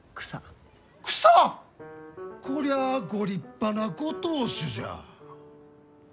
こりゃあご立派なご当主じゃ。